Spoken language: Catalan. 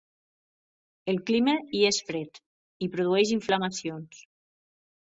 El clima hi és fred, i produeix inflamacions.